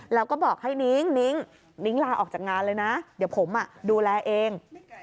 แล้วก็บอกให้นิ้งนิ้งนิ้งลาออกจากงานเลยนะเดี๋ยวผมดูแลเอง